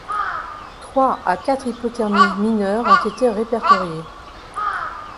Trois à quatre hypothermies mineures ont été répertoriées.